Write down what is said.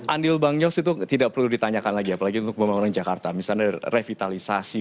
andil bangyos itu tidak perlu ditanyakan lagi apalagi untuk membangun jakarta misalnya revitalisasi